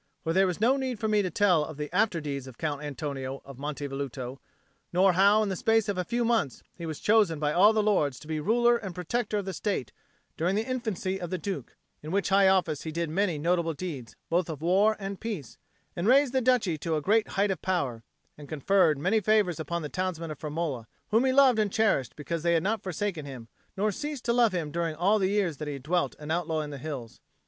For there is no need for me to tell of the after deeds of Count Antonio of Monte Velluto, nor how, in the space of a few months, he was chosen by all the lords to be Ruler and Protector of the State during the infancy of the Duke; in which high office he did many notable deeds, both of war and peace, and raised the Duchy to a great height of power, and conferred many favours on the townsmen of Firmola, whom he loved and cherished because they had not forsaken him nor ceased to love him during all the years that he dwelt an outlaw in the hills.